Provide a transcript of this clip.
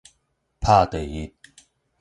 拍第一